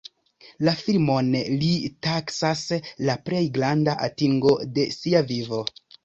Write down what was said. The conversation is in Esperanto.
La filmon li taksas la plej granda atingo de sia vivo.